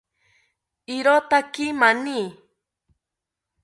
Irotaki mani